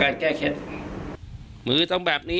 การแก้เคล็ดบางอย่างแค่นั้นเอง